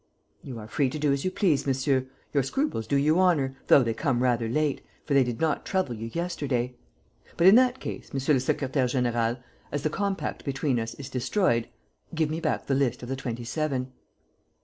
"You are free to do as you please, monsieur. Your scruples do you honour, though they come rather late, for they did not trouble you yesterday. But, in that case, monsieur le secrétaire; général, as the compact between us is destroyed, give me back the list of the Twenty seven."